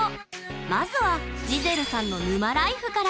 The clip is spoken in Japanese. まずはジゼルさんの沼ライフから。